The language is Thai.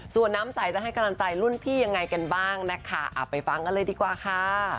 ส่วนน้ำใจจะให้กำลังใจรุ่นพี่ยังไงกันบ้างนะคะไปฟังกันเลยดีกว่าค่ะ